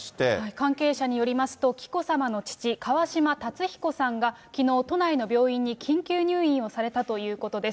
関係者によりますと、紀子さまの父、川嶋辰彦さんがきのう、都内の病院に緊急入院をされたということです。